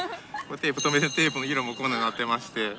テープ留めてテープの色もこんなんなってまして。